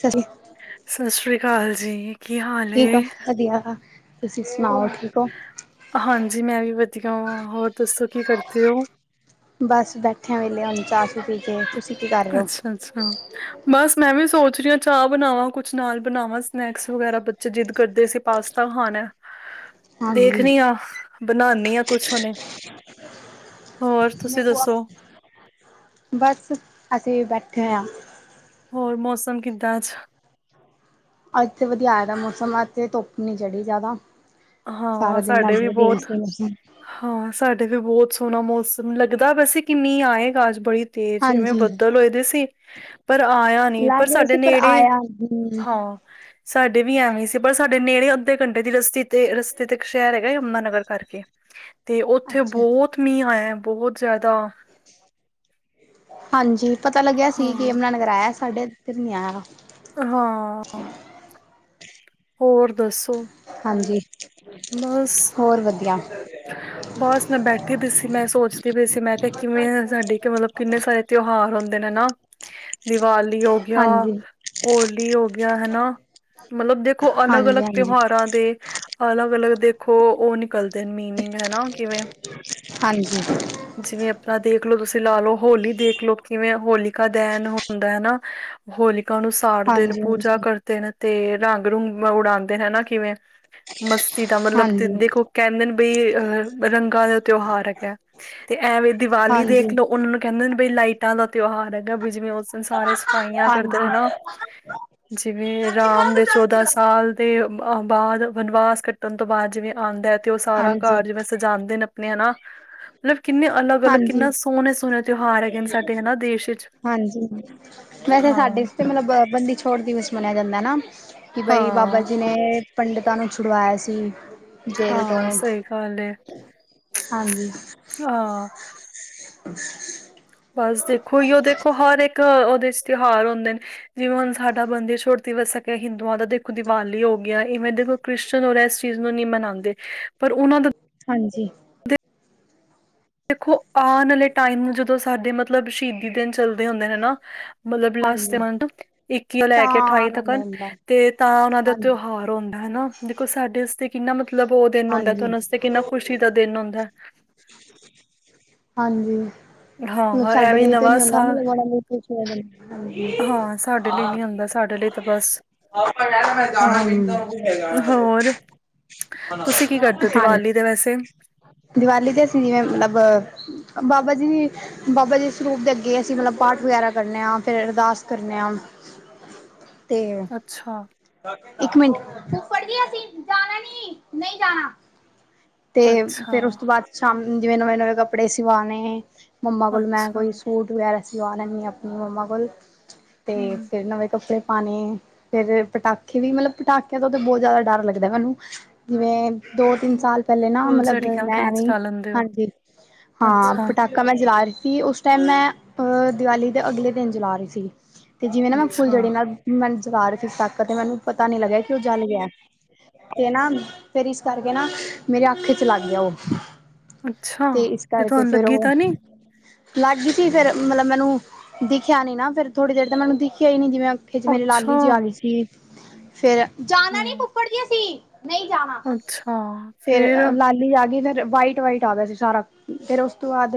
ਸਹੀ ਸਤਿ ਸ੍ਰੀ ਅਕਾਲ ਜੀ ਕੀ ਹਾਲ ਠੀਕ ਆ ਏ? ਵਧੀਆ ਤੁਸੀਂ ਸੁਣਾਓ ਉਹ ਠੀਕ ਹੋ ਹਾਂਜੀ ਮੈਂ ਵੀ ਵਧੀਆ ਵਾਂ ਹੋਰ ਦੱਸੋ ਕੀ ਕਰਦੇ ਹੋ ਬਸ ਬੈਠੇ ਵੇਲੇ ਹੁ ਚਾਰਸ ਅੱਛਾ ਅੱਛਾ ਬਸ ਮੈਂ ਵੀ ਸੋਚ ਰਹੀ ਹਾਂ ਚਾਹ ਬਣਾਵਾਂ ਕੁਛ ਨਾਲ ਬਣਾਵਾਂ ਸਨੈਕਸ ਵਗੈਰਾ ਬੱਚੇ ਜਿੱਦ ਕਰਦੇ ਸੀ ਪਾਸਤਾ ਤਾਂ ਹਣ ਹਾਂਜੀ ਦੇਖਣੀ ਹਾਂ ਬਣਾਉਦੀ ਹਾਂ ਕੁਛ ਉਹਨੇ ਮੇਰੀ ਬਸ ਅਸੀਂ ਬੈਠੇ ਹੋਏ ਹਾਂ ਹੋਰ ਮੌਸਮ ਕਿੱਦਾਂ ਅੱਜ ਅੱਜ ਤੇ ਵਧੀਆ ਦਾ ਮੌਸਮ ਅੱਜ ਧੁੱਪ ਨੀ ਚੜ੍ਹੀ ਜ਼ਿਆਦਾ ਸਾਰਾ ਹਾਂ, ਦਿਨ ਸਾਡੇ ਅਜ ਵੀ ਬਹੁਤ ਦੇਸ ਹਾਂ ਸਾਡੇ ਵੀ ਬਹੁਤ ਸੋਹਣਾ ਮੌਸਮ ਲੱਗਦਾ ਵੈਸੇ ਕਿੰਨੀ ਆਏਗਾ ਅੱਜ ਬੜੀ ਤੇ ਜਿਵੇਂ ਹਾਂਜੀ ਬੱਦਲ ਹੋਏ ਦੇ ਸੀ ਪਰ ਆਇਆ ਨੀ ਪਰ ਸਾਡੇ ਨੇੜੇ ਹਮ ਹਾਂ ਸਾਡੇ ਵੀ ਐਵੇਂ ਸੀ ਪਰ ਸਾਡੇ ਨੇੜੇ ਅੱਧੇ ਘੰਟੇ ਦੀ ਰਸੀ ਤੇ ਰਸਤੇ ਤੇ ਇੱਕ ਸ਼ਹਿਰ ਹੈਗਾ ਯੁਮਨਾਨਗਰ ਕਰਕੇ ਤੇ ਉੱਥੇ ਅੱਛਾ ਬਹੁਤ ਮੀਂਹ ਆਇਆ ਬਹੁਤ ਜ਼ਿਆਦਾ। ਹਾਂਜੀ ਪਤਾ ਲੱਗਿਆ ਸੀ ਕਿ ਹਾਂ ਯਮੁਨਾਨਗਰ ਆਯਾ ਸਾਡੇ ਇੱਧਰ ਨੀ ਆਇਆ। ਹਾਂ। ਹੋਰ ਦੱਸੋ। ਹਾਂਜੀ। ਬਸ। ਹੋਰ ਵਧੀਆ। ਬਸ ਮੈਂ ਬੈਠੀ ਪਈ ਸੀ ਮੈਂ ਸੋਚਦੀ ਪਈ ਸੀ ਮੈਂ ਕਿਹਾ ਕਿਵੇਂ ਸਾਡੇ ਮਤਲਬ ਕਿੰਨੇ ਸਾਰੇ ਤਿਉਹਾਰ ਹੁੰਦੇ ਨੇ ਹਨਾ। ਦੀਵਾਲੀ ਹੋ ਗਿਆ। ਹਾਂਜੀ ਹੋਲੀ ਹੋ ਗਿਆ ਹਨਾ। ਮਤਲਬ ਦੇਖੋ ਅਲੱਗ ਹਾਂਜੀ -ਅਲੱਗ ਹਾਂਜੀ ਤਿਉਹਾਰਾਂ ਦੇ ਅਲੱਗ -ਅਲੱਗ ਦੇਖੋ ਉਹ ਨਿਕਲਦੇ ਨੇ ਮੀਨਿੰਗ ਹਨਾ ਕਿਵੇਂ ਹਾਂਜੀ ਜਿਵੇਂ ਆਪਣਾ ਦੇਖਲੋ ਤੁਸੀਂ ਲਾ ਲਓ ਹੋਲੀ ਦੇਖਲੋ ਕਿਵੇਂ ਹੋਲੀ ਢਹਿਣ ਹੁੰਦਾ ਹਨਾ ਹੋਲਿਕਾ ਨੂੰ ਸਾੜ ਦਿਨ ਹਾਂਜੀ ਪੂਜਾ ਹਾਂਜੀ ਕਰ ਤੇ ਰੰਗ ਰੂੰਗ ਉਡਾਉਂਦੇ ਹਨਾ। ਕਿਵੇਂ ਮਸਤੀ ਦਾ ਮਤਲਬ ਹਾਂਜੀ ਦੇਖੋ ਕਹਿੰਦੇ ਨੇ ਬਈ ਅਹ ਰੰਗਾਂ ਦਾ ਤਿਉਹਾਰ ਹੈਗਾ। ਤੇ ਐਵੇਂ ਦੀਵਾਲੀ ਦੇਖ ਹਾਂਜੀ ਲਓ ਉਹਨਾਂ ਨੂੰ ਕਹਿੰਦੇ ਨੇ ਬਈ ਲਾਈਟਾਂ ਦਾ ਤਿਉਹਾਰ ਹੈਗਾ ਬ ਜਿਵੇਂ ਉਸ ਦਿਨ ਸਾਰੇ ਸਫਾਈਆਂ ਕਰਦੇ ਹਾਂਜੀ। ਹਨਾ ਜਿਵੇਂ ਰਾਮ ਦੇ ਚੌਦਾਂ ਸਾਲ ਅਤੇ ਬਾਅਦ ਵਨਵਾਸ ਕੱਟਣ ਤੋਂ ਬਾਅਦ ਜਿਵੇਂ ਆਉਂਦਾ ਅਤੇ ਉਹ ਸਾਰਾ ਘਰ ਹਾਂਜੀ, ਜਿਵੇਂ ਸਜਾਂਦੇ ਨੇ ਆਪਣੇ ਹਨਾ। ਮਤਲਬ ਕਿੰਨੇ ਅਲੱਗ- ਅਲੱਗ ਹਾਂਜੀ, ਕਿੰਨਾ ਸੋਹਣੇ -ਸੋਹਣੇ ਤਿਉਹਾਰ ਹੈਗੇ ਨੇ ਸਾਡੇ ਹਨਾ ਦੇਸ਼ ਵਿੱਚ। ਹਾਂਜੀ ਵੈਸੇ ਹਾਂ। ਸਾਡੇ ਮਤਲਬ ਬੰਦੀ ਛੋੜ ਦਿਵਸ ਮੰਨਿਆ ਜਾਂਦਾ ਹੈ। ਕਿ ਬਈ ਬਾਬਾ ਹਾਂ, ਜੀ ਨੇ ਪੰਡਿਤਾਂ ਨੂੰ ਛੁਡਵਾਇਆ ਸੀ। ਹਾਂ ਜਦੋਂ ਸਹੀ ਗੱਲ ਏ ਹਾਂਜੀ। ਹਾਂ। [unintelligible] ਬਸ ਦੇਖੋ ਹੀ ਓਹੀਓ ਦੇਖੋ ਹਰ ਇੱਕ ਉਹਦੇ ਚ ਤਿਉਹਾਰ ਹੁੰਦੇ ਨੇ। ਜਿਵੇਂ ਹੁਣ ਸਾਡਾ ਬੰਦੀ ਛੋੜ ਦਿਵਸ ਹੈਗਾ। ਹਿੰਦੂਆਂ ਦਾ ਦੇਖੋ ਦੀਵਾਲੀ ਹੋ ਗਿਆ। ਇਵੇਂ ਦੇਖੋ ਕ੍ਰਿਸਚਨ ਔਰ ਇਸ ਚੀਜ਼ ਨੂੰ ਨਹੀਂ ਮਨਾਉਂਦੇ, ਪਰ ਉਹਨਾਂ ਦਾ ਹਾਂਜੀ। ਦੇਖੋ ਆਉਣ ਵਾਲੇ ਟਾਈਮ। ਜਦੋਂ ਸਾਡੇ ਮਤਲਬ ਸ਼ਹੀਦੀ ਦਿਨ ਚੱਲਦੇ ਹੁੰਦੇ ਹਨਾ। ਮਤਲਬ ਲਸਟ ਹਾਂਜੀ। ਮੰਥ, ਇੱਕੀ ਤੋ ਲੈ ਕੇ ਤਾਂ ਅਠਾਈ ਤਕਣ ਲੈਂਦਾ ਤੇ ਤਾਂ ਉਹਨਾਂ ਦਾ ਹਾਂਜੀ, ਤਿਉਹਾਰ ਹੁੰਂਦਾ ਹਨਾ। ਦੇਖੋ ਸਾਡੇ ਵਾਸਤੇ ਕਿੰਨਾ ਮਤਲਬ ਉਹ ਦਿਨ ਹੁੰਦਾ। ਤੇ ਹਾਂਜੀ, ਉਨ੍ਹਾਂ ਵਸਤੇ ਕਿੰਨਾ ਖੁਸ਼ੀ ਦਾ ਦਿਨ ਹੁੰਦਾ। ਹਾਂਜੀ। ਮਤਲਬ ਹਾਂ ਸਾਡੇ ਐਵੇਂ ਲਈ ਤੇ ਨਵਾਂ ਨੀ ਹੁੰਦਾ ਸਾਲ ਮਤਲਬ ਉਣਾ ਲਈ ਖੁਸ਼ੀ ਹਾਂ ਸਾਡੇ ਲਈ ਨੀ ਹੁੰਦਾ ਸਾਡੇ ਲਈ ਤਾਂ ਬਸ। ਹਾਂ ਹੋਰ [unintelligible] ਤੁਸੀਂ ਕੀ ਕਰਦੇ ਹੋ ਹਾਂਜੀ ਦੀਵਾਲੀ ਦੇ ਵੈਸੇ ਦੀਵਾਲੀ ਤੇ ਅਸੀਂ ਜਿਵੇਂ ਮਤਲਬ ਬਾਬਾ ਜੀ ਦੀ ਬਾਬਾ ਜੀ ਸਰੂਪ ਦੇ ਅੱਗੇ ਅਸੀਂ ਮਤਲਬ ਪਾਠ ਵਗੈਰਾ ਕਰਨੇ ਹਾਂ। ਫਿਰ ਅਰਦਾਸ ਕਰਨੇ ਹਾਂ। ਤੇ। ਅੱਛਾ। ਇੱਕ ਮਿੰਟ ਫੁੱਫੜ ਜੀ ਅਸੀਂ ਜਾਣਾ ਨੀ। ਨਹੀਂ ਜਾਣਾ। ਤੇ ਅੱਛਾ ਫੇਰ ਉਸ ਤੋਂ ਬਾਅਦ ਸ਼ਾਮ ਜਿਵੇਂ ਨਵੇਂ- ਨਵੇਂ ਕੱਪੜੇ ਸਿਵਾਣੇ। ਮੰਮਾ ਕੋਲ ਮੈਂ ਅੱਛਾ ਕੋਈ ਸੂਟ ਵਗੈਰਾ ਸਵਾਣਾ ਲੈਨੀਂ ਆ। ਆਪਣੀ ਮੰਮਾ ਕੋਲ। ਤੇ ਹਮ ਫੇਰ ਨਵੇਂ ਕੱਪੜੇ ਪਾਣੇ ਫੇਰ ਪਟਾਕੇੇ ਵੀ, ਮਤਲਬ ਪਟਾਕਿਆਂ ਤੋਂ ਤਾਂ ਬਹੁਤ ਜ਼ਿਆਦਾ ਡਰ ਲੱਗਦਾ ਮੈਨੂੰ। ਜਿਵੇਂ ਦੋ ਤਿੰਨ ਸਾਲ ਪਹਿਲੇ ਨਾ ਮਤਲਬ, ਫੁੱਲਝੜੀਆਂ ਵਗੈਰਾ ਮੈਂ ਵੀ ਚਲਾ ਲੈਂਦੇ ਹੋ ਹਾਂਜੀ ਹਾਂ। ਅੱਛਾ ਪਟਾਕੇ ਮੈਂ ਜਲਾ ਰਹੀ ਸੀ। ਉਸ ਟਾਈਮ ਮੈਂ ਅਹ ਦਿਵਾਲੀ ਦੇ ਅਗਲੇ ਦਿਨ ਜਲਾ ਰਹੀ ਸੀ। ਤੇ ਜਿਵੇਂ ਨਾ ਮੈਂ ਫੁੱਲ ਅੱਛਾ ਜੜੀ ਨਾਲ ਮੈਂ ਜਲਾ ਰਹੀ ਸੀ। ਸਾਟਕ ਵਾਲੀ ਤੇ, ਮੈਨੂੰ ਪਤਾ ਨੀ ਲੱਗਿਆ ਕਿ ਉਹ ਜਲ ਗਿਆ ਐ। ਤੇ ਨਾ ਫੇਰ ਇਸ ਕਰਕੇ ਨਾ ਮੇਰੇ ਅੱਖ ਚ ਲੱਗ ਗਿਆ ਉਹ। ਅੱਛਾ, ਤੇ ਇਸ ਕਰਕੇ ਤੁਹਾਨੂੰ ਫੇਰ ਲੱਗੀ ਉਹ ਤਾਂ ਨੀ? ਲੱਗ ਗਈ ਸੀ। ਫੇਰ ਮਤਲਬ ਮੈਨੂੰ ਦਿਖਿਆ ਨੀ ਨਾ। ਫੇਰ ਥੋੜੀ ਦੇਰ ਤੇ ਮੈਨੂੰ ਦਿਖਿਆ ਹੀ ਨੀ ਜਿਵੇਂ ਫੇਰ ਮੇਰੇ ਅੱਛਾ, ਲਾਲੀ ਜੀ ਆ ਗਈ ਸੀ। ਫੇਰ ਜਾਣਾ ਨਹੀ ਹਾਂ ਫੁੱਫੜ ਜੀ ਆਸੀ ਨਹੀਂ ਜਾਣਾ। ਫੇਰ ਲਾਲੀ ਆ ਗਈ ਫਿਰ ਵਾਈਟ ਵਾਈਟ ਆ ਗਿਆ ਸੀ ਸਾਰਾ। ਫਿਰ ਉਸ ਤੋਂ ਬਾਅਦ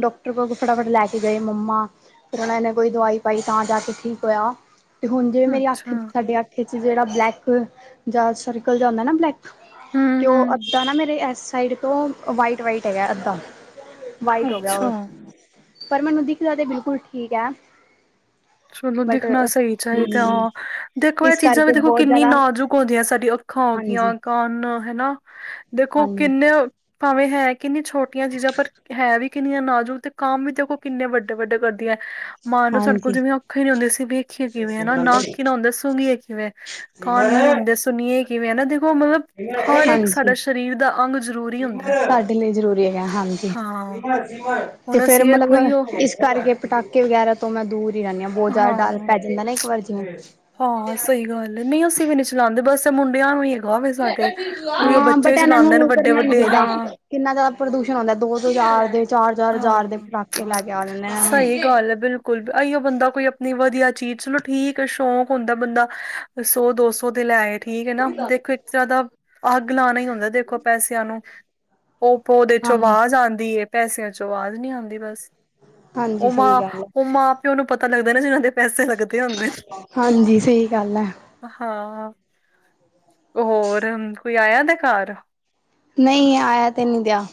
ਡਾਕਟਰ ਕੋਲ ਫਟਾਫਟ ਲੈ ਕੇ ਗਏ ਮੰਮਾ। ਫਿਰ ਉਹਨਾ ਇਹੇ ਕੋਈ ਦਵਾਈ ਪਾਈ, ਤਾਂ ਜਾ ਕੇ ਠੀਕ ਹੋਇਆ। ਤੇ ਹੁਣ ਜਿਵੇਂ ਮੇਰੀ ਅੱਛਾ, ਅੱਖ ਚ ਸਾਡੇ ਅੱਖੇ ਚ ਜਿਹੜਾ ਬਲੈਕ ਜਾਂ ਸਰਕਲ ਜਾਂ ਹੁੰਦਾ ਨਾ ਬਲੈਕ ਤੇ ਉਹ ਹੂੰ-ਹੂੰ, ਅੱਧਾ ਨਾ ਮੇਰੇ ਇਸ ਸਾਈਡ ਤੋਂ ਵਾਈਟ ਵਾਈਟ ਹੈਗਾ ਅੱਧਾ। ਵਾਈਟ ਹੋ ਗਿਆ ਉਹ, ਅੱਛਾ ਪਰ ਮੈਨੂੰ ਦਿਖਦਾ ਤੇ ਬਿਲਕੁਲ ਠੀਕ ਹੈ। ਚਲੋ ਬਟ ਦਿਖਣਾ ਸਹੀ ਚਾਹੀਦਾ ਹਮ ਹਾਂ। ਦੇਖੋ। ਇਹ ਇਸ ਚੀਜ਼ਾਂ ਵੀ ਕਰਕੇ ਦੇਖੋ, ਬਹੁਤ ਕਿੰਨੀ ਜ਼ਿਆਦਾ ਨਾਜੁਕ ਹੁੰਂਦੀਆਂ ਸਾਡੀਆਂ ਅੱਖਾਂ ਹੋਗਈਆਂ ਹਾਂਜੀ ਕੰਨ ਹਨਾ। ਦੇਖੋ ਹਾਂਜੀ ਕਿੰਨੇ ਭਾਵੇਂ ਹੈ। ਕਿੰਨਨੀ ਛੋਟੀਆਂ ਚੀਜ਼ਾਂ ਪਰ ਹੈ ਵੀ ਕਿੰਨੀਆਂ ਨਾਜੁਕ ਤੇ ਕੰਮ ਵੀ ਦੇਖੋ ਕਿੰਨੇ ਵੱਡੇ- ਵੱਡੇ ਕਰਦੀ ਹੈ। ਮਾਂ ਨੂੰ ਸਾਨੂੰ ਹਾਂਜੀ ਜਿਵੇਂ ਔੱਖਾਂ ਨੀ ਹੁੰਦੀ ਸੀ, ਵੇਖੀਏ ਕਿਵੇਂ ਹਨਾ। ਨੱਕ ਨਾ ਹੁੰਦਾ ਸੁੰਘੀਏ ਕਿਵੇਂ ਕੰਨ ਨੀ ਸਿਮਰ ਹੁੰਦੇ ਸੁਣਏ ਕਿਵੇਂ ਹਨਾ। ਦੇਖੋ ਮਤਲਬ ਹਰ ਇੱਕ ਸਾਡਾ ਹਾਂਜੀ ਸਰੀਰ ਦਾ ਅੰਗ ਜ਼ਰੂਰੀ ਹੁੰਦਾ। ਹੈ। ਸਾਡੇ ਲਈ ਜ਼ਰੂਰੀ ਹੈ ਹਾਂਜੀ। ਹਾਂ ਤੇ ਹੁਣ ਫੇਰ ਅਸੀਂ ਵੇਖੋ ਈਓ ਮਤਲਬ ਇਸ ਕਰਕੇ ਪਟਾਕੇ ਵਗੈਰਾ ਤੋਂ ਮੈਂ ਦੂਰ ਹੀ ਰਹਿੰਦੀ ਹਾਂ। ਬਹੁਤ ਜ਼ਿਆਦਾ ਡਰ ਹਾਂ। ਪੈ ਜਾਂਦਾ ਨਾ ਇੱਕ ਵਾਰ ਜਿਵੇਂ। ਨਹੀਂ-ਨਹੀ ਅਸੀਂ ਵੀ ਨ ਚਲਾਉਦੇ, ਬਸ ਮੁੰਡਿਆਂ ਨੂੰ ਹ ਵ ਸਾਡੇ ਉ ਵੀ ਉਹ ਹਾਂ ਬੱਚੇ ਬਟ ਵੀ ਇਹਨਾਂ ਚਲਾਉਂਦੇ ਨੇ ਨੂੰ ਵੱਡੇ- ਕਰਨਾ ਨੀ ਵੱਡੇ ਚਾਹੀਦਾ ਹਾਂ। ਕਿੰਨਾ ਜਿਆਦਾ ਪ੍ਰਦੂਸ਼ਣ ਹੁੰਦਾ। ਦੋ- ਦੋ ਹਜ਼ਾਰ ਦੇ ਚਾਰ- ਚਾਰ ਹਜ਼ਾਰ ਦੇ ਹਾਂ। ਪਟਾਕੇ ਲੈ ਕੇ ਆ ਜਾਂਦੇ ਆ। ਆਈ ਬੰਦਾ ਕੋਈ ਆਪਣੀ ਵਧੀਆ ਚੀਜ਼। ਚਲੋ ਠੀਕ ਹੈ ਸ਼ੌਕ ਹੁੰਦਾ ਬੰਦਾ, ਸੌ ਦੋ ਸੌ, ਦੇ ਲੈ ਆਏ ਠੀਕ ਹੈ ਨਾ ਦੇਖੋ। ਇੱਕ ਤਰ੍ਹਾਂ ਦਾ ਅੱਗ ਲਾਉਣਾ ਹੀ ਹੁੰਦਾ ਦੇਖੋ ਪੈਸਿਆਂ ਨੂੰ ਓਪੋ ਉਹਦੇ ਹਾਂ ਚੋਂ ਆਵਾਜ਼ ਆਉਂਦੀ ਏ, ਪੈਸਿਆਂ ਚੋਂ ਆਵਾਜ਼ ਨਹੀਂ ਆਉਂਦੀ ਬਸ ਹਾਂਜੀ ਉਹ ਸਹੀ ਮਾਂ, ਗੱਲ ਉਹ ਹੈ ਮਾਂ ਪਿਓ ਨੂੰ ਪਤਾ ਲੱਗਦਾ ਨਾ ਜਿਨਾਂ ਦੇ ਪੈਸੇ ਲੱਗਦੇ ਹੁੰਦੇ ਨ ਹਾਂਜੀ ਸਹੀ ਗੱਲ ਹੈ ਹਾਂ। ਹੋਰ ਕੋਈ ਆਇਆ ਪੇ ਘਰ? ਨਹੀਂ ਆਇਆ ਤੇ ਨਹੀਂ ਪਿਆ।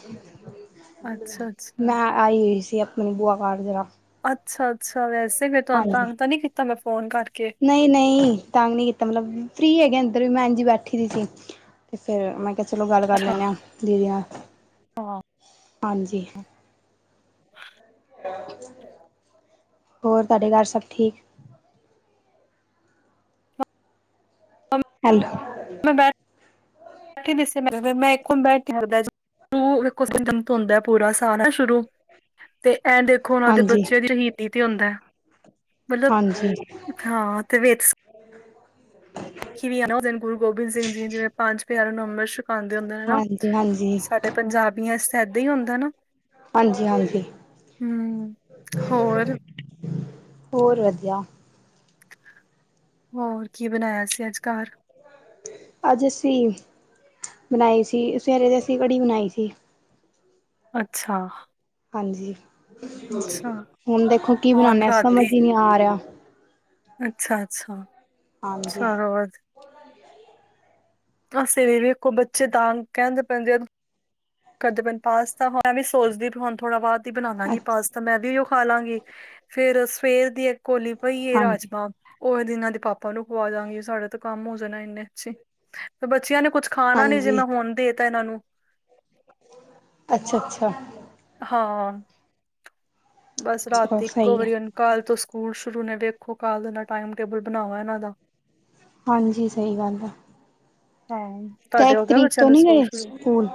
ਅੱਛਾ ਨਾ ਅੱਛਾ ਆਈ ਹੋਈ ਸੀ ਆਪਣੇ ਬੁਆ ਵੱਲ ਜਰਾ। ਅੱਛਾ ਅੱਛਾ। ਵੈਸੇ ਫੇਰ ਤੁਹਾਨੂੰ ਹਾਂਜੀ ਤੰਗ ਤਾਂ ਨਹੀਂ ਕੀਤਾ। ਮੈਂ ਫੋਨ ਕਰਕੇ ਨਹੀਂ ਨਹੀਂ ਤੰਗ ਨਹੀਂ ਕੀਤਾ, ਮਤਲਬ ਫ੍ਰੀ ਹੈਗੇ, ਅੰਦਰ ਵੀ ਮੈਂ ਬੈਠੀ ਦੀ ਸੀ। ਤੇ ਫਿਰ ਮੈਂ ਕਿਹਾ ਚਲੋ ਗੱਲ ਕਰ ਅੱਛਾ ਲੈਂਦੇ ਆਂ, ਫ੍ਰੀ ਆ, ਹਾਂ ਹਾਂਜੀ ਹੋਰ ਤੁਹਾਡੇ ਘਰ, ਸਭ ਠੀਕ ਹੈਲੋ ਮੈਂ ਬੈਠਢੀ ਸੀ, ਮੈਂ ਇੱਕੋ ਬੈਠ ਕੇ, ਹਿਲਦਾ ਹੈ ਜੋ। ਕੁਝ ਦਿਨ ਤੋ ਹੁੰਦਾ, ਪੂਰਾ ਸਾਲ ਐ ਸ਼ੁਰੂ, ਤੇ ਐਂਡ ਉਹਨਾਂ ਦੇ ਹਾਂਜੀ ਬੱਚਿਆਂ ਦੀ ਹੀਦੀ ਤੇ ਹੁੰਦਾ ਹੈ, ਮਤਲਬ ਹਾਂਜੀ। ਹਾਂ ਤੇ ਵੇਕ ਚਿੜਿਆ ਨੇ ਔ, ਗੁਰੂ ਗੋਬਿੰਦ ਸਿੰਘ ਜੀ ਦੇ, ਜਿਵੇਂ ਪੰਜ ਪਿਆਰਾਂ ਨੂੰ ਅੰਮ੍ਰਿਤ ਛਕਾਉਂਦੇ ਹੁੰਦੇ, ਹੈਨਾ। ਹਾਂਜੀ ਹਾਂਜੀ ਸਾਡੇ ਪੰਜਾਬਿਆਂ ਚ ਇਹਦਾਂ ਹੀ ਹੁੰਦਾ ਨਾ। ਹਾਂਜੀ ਹਾਂਜੀ ਹੂ ਹੋਰ ਹੋਰ ਵਧੀਆ ਹੋਰ ਕੀ ਬਣਾਇਆ ਸੀ ਅੱਜ, ਘਰ। ਅੱਜ ਅਸੀਂ ਬਣਾਈ ਸੀ, ਸਵੇਰੇ ਦੀ ਅਸੀਂ ਵੜੀ ਬਣਾਈ ਸੀ। ਅੱਛਾ ਹਾਂਜੀ ਅੱਛਾ ਹੁਣ ਦੇਖੋ ਕੀ ਹੁਣ ਬਣਾਣੇ ਆ, ਸਮਝ ਰਾਤੀ ਹੀ ਨਹੀਂ ਆ ਰਿਹਾ। ਅੱਛਾ ਅੱਛਾ, ਹਾਂਜੀ ਚਲੋ ਵਧੀਆ ਅਸੀਂ ਵੀ ਵੀਖੋ ਬੱਚੇ ਤਾਂ, ਕਹਿੰਦੇ ਪਏਂ ਦੇਖੋ ਕਹਿੰਦੇ ਪਏ ਨ ਪਾਸਤਾ, ਮੈਂ ਵੀ ਸੋਚਦੀ ਵੀ, ਹੁਣ ਥੋੜਾ ਬਾਅਦ ਹੀ ਬਵਾਂਗੀ ਅੱਛਾ ਪਾਸਤਾ, ਮੈਂ ਵੀ ਖਾ ਲਾਂਗੀ, ਫੇਰ ਸਵੇਰ ਦੀ ਕੋਲੀ ਪਈ ਏ ਹਾਂਜੀ ਰਾਜਮਾਂ ਔ ਇਨਾਂ ਦੇ ਪਾਪਾ ਨੂੰ ਖਵਾ ਦਵਾਂਗੀ। ਸਾਡੇ ਤਾਂ ਕੰਮ ਹੋ ਜਾਣਾ ਇੰਨੇ ਅੱਛੇ, ਤੇ ਬੱਚਿਆਂ ਨੇ ਕੁਛ ਖਾਣਾ ਨਹੀ ਜੇ, ਮੈਂ ਹੁਣ ਦੇ ਤਾਂ, ਇਹਨਾਂ ਨੂੰ ਅੱਛਾ-ਅੱਛਾ। ਹਾਂ, ਬਸ ਚਲੋ ਰਾਤੀ ਇੱਕੋ ਸਹੀ ਹੈ ਵਾਰੀ ਕੱਲ੍ਹ ਤੋਂ ਸਕੂਲ ਸ਼ੁਰੂ ਨੇ, ਵੇਖੋ ਕੱਲ ਦੇ ਨਾਲ ਟਾਈਮ ਟੇਬਲ ਬਣਾਵਾਂ ਇਹਨਾਂ ਦਾ ਹਾਂਜੀ ਸਹੀ ਗੱਲ ਆ ਹਾਂ, ਤੁਹਾਡੇ ਹੋ ਗਿਯੇ, ਬੱਚਿਆਂ ਤੋਂ ਦੇ ਨੀ ਸਕੂਲ ਗਏ ਸ਼ੁਰੂ ਸਕੂਲ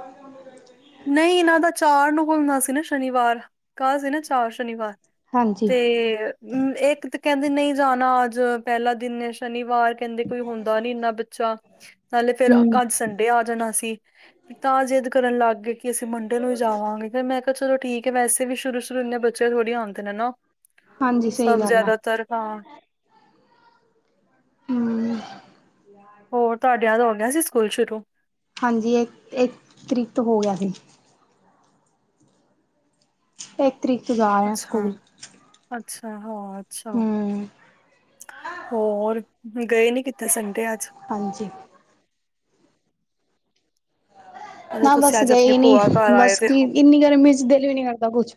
ਨਹੀਂ ਇਹਨਾਂ ਦਾ ਚਾਰ ਨੂੰ ਘੁੱਲਣਾ ਸੀ ਨਾ ਸ਼ਨੀਵਾਰ, ਕਲ ਸੀ ਨਾ, ਚਾਰ ਸ਼ਨੀਵਾਰ ਹਾਂਜੀ ਤੇ ਇੱਕ ਤੇ ਕਹਿੰਦੇ ਨਹੀਂ ਜਾਣਾ, ਅੱਜ ਪਹਿਲਾ ਦਿਨ ਐ ਸ਼ਨੀਵਾਰ ਕਹਿੰਦੇ ਕੋਈ ਹੁੰਦਾ ਨੀ ਇੰਨਾ ਬੱਚਾ, ਨਾਲੇ ਫੇਰ ਹੂੰ ਅੱਜ ਸੰਡ ਸੰਡੇ ਆ ਜਾਣਾ ਸੀ, ਤਾਂ ਜਿਦ ਕਰਨ ਲੱਗ ਗਏ ਕਿ ਅਸੀਂ ਮੰੰਡੇ ਨੂੰ ਹੀ ਜਾਵਾਂਗੇ ਫਿਰ ਮੈਂ ਚਲੋ ਠੀਕ ਐ, ਵੈਸੇ ਵੀ ਸ਼ੂਰੂ ਸ਼ੁਰੂ ਇੰਨੇ ਬੱਚੇ ਥੋੜ੍ਹੀ ਆਉਦੇ ਨੇ ਨਾ ਹਾਂਜੀ ਸਹੀ ਸਭ ਗੱਲ ਆ ਜ਼ਿਆਦਾ ਤਰ ਹਾਂ। ਹੂ ਹੋਰ ਤੁਹਾਡਿਆਂ ਦੇ ਹੋ ਗਿਆ ਸੀ, ਸਕੂਲ ਸ਼ੁਰੂ ਹਾਂਜੀ ਇੱਕ-ਇੱਕ ਤਰੀਕ ਤੋ ਹੋ ਗਿਆ ਸੀ। ਇੱਕ ਤਰੀਕ ਚ ਯਾਰ ਅੱਛਾ-ਅੱਛਾ ਹੋਰ ਅੱਛਾ ਹੂੰ ਹੋਰ, ਗਏ ਨੀ ਕਿੱਥੇ ਸੰਡੇ ਅੱਜ ਹਾਂਜੀ। ਅੱਛਾ ਨਾ ਤੁਸੀਂ ਬਸ ਅੱਜ ਆਪਣੀ ਗਏ ਨੀ, ਭੂਆ ਘਰ ਆਏ ਬਸ ਦੇ ਕੀ ਹੋ ਇੰਨੀ ਗਰਮੀ ਚ ਦਿਲ ਵੀ ਨੀ ਕਰਦਾ ਕੁਛ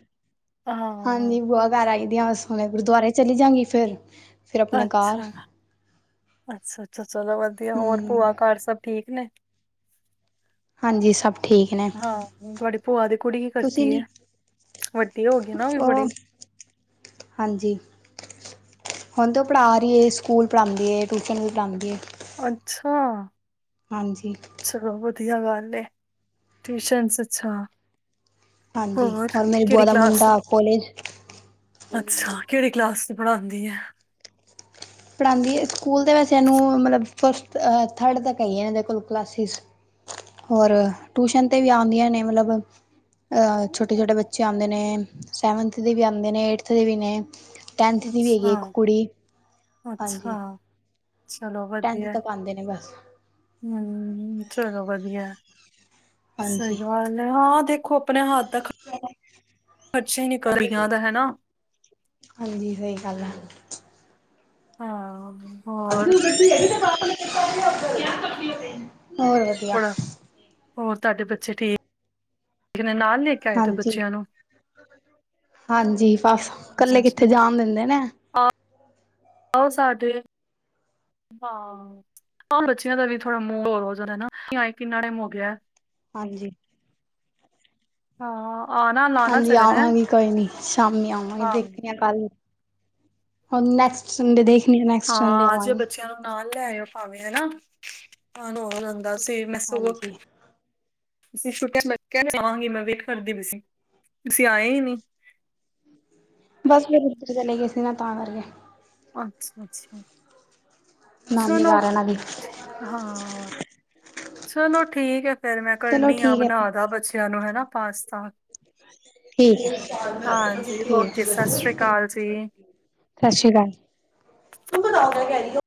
ਹਾਂ। ਹਾਂਜੀ ਬੂਆ ਘਰ ਆਈ ਡੀ, ਹੂਣੇ ਗੁਰਦੁਆਰੇ ਚਲੀ ਜਾਂਗੀ, ਫਿਰ ਫਿਰ ਆਪਣੇ ਘਰ ਅੱਛਾ-ਅੱਛਾ-ਅੱਛਾ ਚਲੋ ਵਧੀਆ, ਹੋਰ ਭੂਆ ਹੂੰ ਘਰ ਸਭ ਠੀਕ ਨੇ ਹਾਂਜੀ ਸਭ ਠੀਕ ਨੇ ਹਾਂ, ਤੁਹਾਡੀ ਭੂਆ ਦੀ ਕੁੜੀ ਕੀ ਤੁਸੀਂ ਕਰਦੀ ਏ ਨੀ ਵੱਡੀ ਹੋ ਗਈ ਨਾ, ਉਹ ਵੀ ਬੜੇ ਹਾਂਜੀ। ਹੁਣ ਤ ਉਹ ਪੜ੍ਹਾ ਰਹੀ ਏ, ਸਕੂਲ ਪੜਾਉਂਦੀ ਏ, ਟਿਊਸ਼ਨ ਵੀ ਪੜਾਉਂਦੀ ਏ। ਅੱਛਾ! ਚਲੋ ਵਧੀਆ ਗੱਲ ਏ, ਟਿਊਸ਼ਨਸ ਅੱਛਾ ਹਾਂਜੀ, ਹੋਰ ਓਰ ਮੇਰੀ ਬੁਆ ਕਿਹੜੀ ਦਾ ਕਲਾਸ ਮੁੰਡਾ ਕੋਲੇਜ ਅੱਛਾ, ਕਿਹੜੀ ਕਲਾਸ'ਚ ਪੜ੍ਹਾਂਦੀ ਹੈ? ਪੜ੍ਹਾਂਦੀ ਏ, ਸਕੂਲ ਦੇ ਵਿੱਚ ਇਨੂੰ ਮਤਲਬ ਫਸਟ ਅਂ ਥਰਡ ਤੱਕ ਆਈਆ ਹੈ ਇਦੇ ਕੋਲ ਕਲਾਸੀਸ, ਔਰ ਟਿਊਸ਼ਨ ਤੇ ਵੀ ਆਂਦੀਆਂ ਨੇ ਨੇ ਮਤਲਬ, ਅ ਛੋਟੇ-ਛੋਟੇ ਬੱਚੇ ਆਂਦੇ ਨੇ, ਸੈਵੰਥ ਦੇ ਵੀ ਆਂਦੇ ਨੇ, ਏਟਥ ਦੇ ਵੀ ਨੇ, ਟੈੰਥ ਦੀ ਵੀ ਹੇਗੀ, ਅੱਛਾ ਇੱਕ ਕੁੜੀ। ਅੱਛਾ! ਚਲੋ ਟੈਂਥ ਤਕ ਆਂਦੇ ਨੇ, ਬਸ। ਹੂੰ, ਚਲੋ ਵਧੀਆ। ਸਹੀ ਹਾਂਜੀ ਗੱਲ ਆ, ਹਾਂ ਦੇਖੋ ਆਪਣੇ ਹੱਥ ਤੱਕ ਖਰਚਾ ਹੀ ਨਿਕਲ ਰਹੀਆਂ ਦਾ ਹੈਨਾ। ਹਾਂਜੀ, ਸਹੀ ਗੱਲ ਆ। ਹਾਂ। ਹੋਰ ਹੋਰ ਵਧੀਆ। ਬੜਾ ਹੋਰ, ਤ੍ਹਾਡੇ ਬੱਚੇ ਠੀਕ? ਲਿਖਨੇ ਨਾਲ ਲੇ ਹਾਂਜੀ-ਹਾਂਜੀ, ਫਸ ਅੱਛਾ-ਅੱਛਾ, ਆਓ ਸਾਡੇ ਹਾਂ, ਬੱਚਿਆਂ ਦਾ ਵੀ ਥੋੜਾ ਮੂੰਹ ਹੋਰ ਹੋ ਜਾਂਦਾਏ ਨਾ, ਹਾਏ ਕਿੰਨਾ ਟਾਈਮ ਹੋ ਗਿਆ। ਹਾਂਜੀ। ਆ ਹਾਂਜੀ, ਆਵਾਂਗੀ ਕੋਈ ਨੀ ਸ਼ਾਮੀ ਆਵਾਂਗੀ, ਹਾਂ ਦੇਖਨੀ ਆ ਕੱਲ ਹੁਣ ਨੈਕਸਟ ਸੰਡੇ ਦੇਖਨੀ ਆ, ਨੇੈਕਸਟ ਸੰਡੇ ਹਾਂ ਜੇ ਆਵਾਂਗੀ। ਬੱਚਿਆਂ ਨੂੰ ਨਾਲ ਲੈ ਆਇਓ ਭਾਵੇਂ, ਹਨਾ ਮਨ ਹੋਰ ਜਾਂਦਾ। ਸੇ‌ ਮੇਸੁ ਹਾਂਜੀ ਤੁਸੀਂ ਛੋਟਿਆ ਨੂੰ ਕਵਾਂਗੀ, ਮੈਂ ਵੇਟ ਕਰਦੀ ਪਈ ਸੀ, ਤੁਸੀਂ ਆਏ ਨੀ। ਬਸ ਫਿਰ ਉੱਧਰ ਚਲੇ ਗਏ ਸੀ ਨਾ, ਤਾਂ ਕਰਕੇ। ਅੱਛਾ-ਅੱਛਾ। ਨਾਨੀ ਚਲੋ, ਘਰ ਇਹਨਾਂ ਦੀ ਹਾਂ ਚਲੋ, ਠੀਕ ਹੈ ਫਿਰ ਮੈਂ ਚਲੋ ਕਰਨੀ ਆਂ, ਠੀਕ ਹੈ ਫਿਰ ਬਣਾਦਾ ਬੱਚਿਆਂ ਨੂੰ ਹਨਾ ਪਾਸਤਾ। ਠੀਕ, ਹਾਂਜੀ ਠੀਕ। ਓਕੇ ਸਤਿ ਸ੍ਰੀ ਅਕਾਲ ਜੀ ਸਤਿ ਸ੍ਰੀ ਅਕਾਲ। ਤੂੰ ਬਦਾਮ ਲੈਕੇ ਆਈਓ?